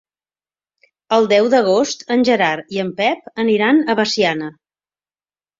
El deu d'agost en Gerard i en Pep aniran a Veciana.